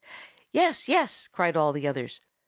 "Yes, yes!" cried all the others.